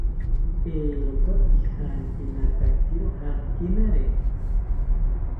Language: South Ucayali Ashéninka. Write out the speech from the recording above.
Eeeroka pijankinatakiro jankinarentzi